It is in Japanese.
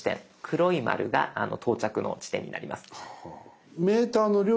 黒い丸が到着の地点になります。